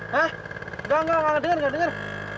hah nggak nggak nggak denger nggak denger